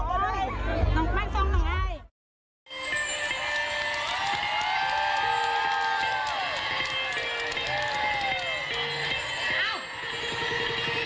สุภาษณ์แสงเซียลสุภาษณ์แสงเซียล